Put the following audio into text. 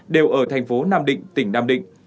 đều ở thành phố nam định tỉnh nam định